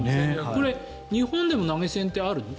これ日本でも投げ銭ってあるの？